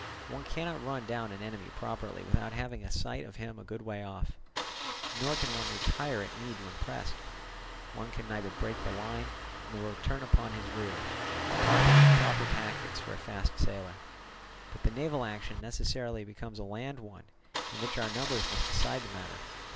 One cannot run down an enemy properly without having a sight of him a good way off, nor can one retire at need when pressed; one can neither break the line nor return upon his rear, the proper tactics for a fast sailer; but the naval action necessarily becomes a land one, in which numbers must decide the matter.